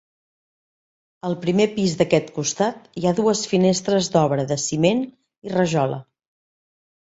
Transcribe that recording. Al primer pis d'aquest costat hi ha dues finestres d'obra de ciment i rajola.